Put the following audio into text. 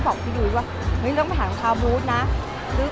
ต้องรอพี่ใหญ่คือ